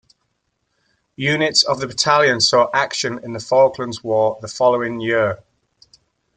Units of the battalion saw action in the Falklands War the following year.